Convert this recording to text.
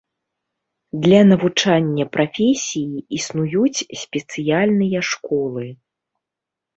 Для навучання прафесіі існуюць спецыяльныя школы.